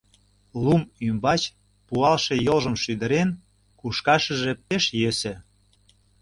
Лум ӱмбач пуалше йолжым шӱдырен кушкашыже пеш йӧсӧ.